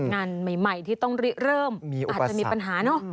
งานใหม่ที่ต้องเริ่มอาจจะมีปัญหาเนอะ